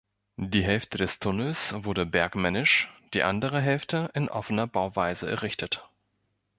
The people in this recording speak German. Die Hälfte des Tunnels wurde bergmännisch, die andere Hälfte in offener Bauweise errichtet.